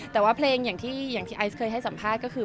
แต่เพลงที่ไอซ์เคยให้สัมภาษณ์ก็คือ